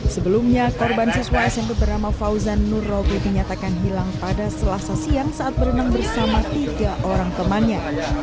sebelumnya korban siswa smp bernama fauzan nur robin dinyatakan hilang pada selasa siang saat berenang bersama tiga orang temannya